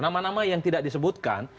nama nama yang tidak disebutkan